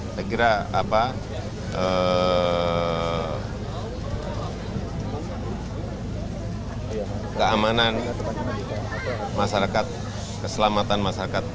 saya kira keamanan masyarakat keselamatan masyarakat